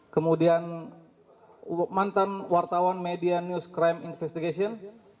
kemudian mantan wartawan media news crime investigation